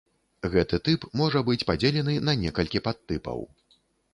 Гэты тып можа быць падзелены на некалькі падтыпаў.